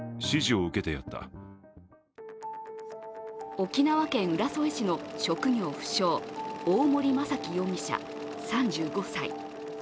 沖縄県浦添市の職業不詳・大森正樹容疑者３５歳。